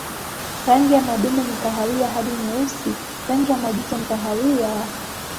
Rangi ya madume ni kahawia hadi nyeusi, rangi ya majike ni kahawia.